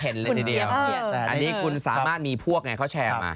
เลยทีเดียวอันนี้คุณสามารถมีพวกไงเขาแชร์มา